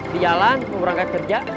di jalan mau berangkat kerja